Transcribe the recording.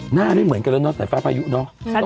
ไม่เหมือนกันแล้วเนาะสายฟ้าพายุเนอะ